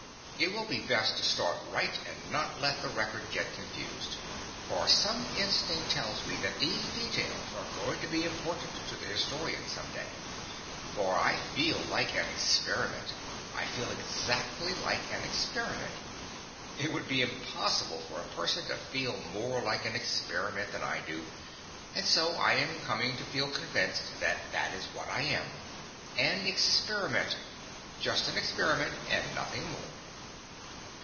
It will be best to start right and not let the record get confused, for some instinct tells me that these details are going to be important to the historian some day. For I feel like an experiment, I feel exactly like an experiment; it would be impossible for a person to feel more like an experiment than I do, and so I am coming to feel convinced that that is what I AM an experiment; just an experiment, and nothing more.